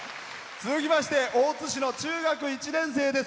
続きまして大津市の中学１年生です。